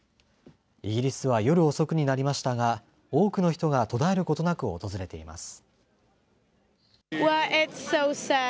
イギリスは夜遅くになりましたが多くの人が途絶えることなく訪れています。